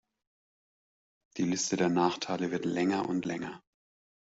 Die Liste der Nachteile wird länger und länger.